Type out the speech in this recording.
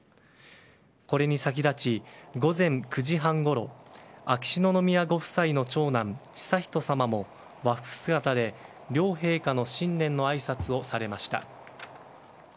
これに先立ち、午前９時半ごろ秋篠宮ご夫妻の長男悠仁さまも和服姿で、両陛下の新年のあいさつをされました。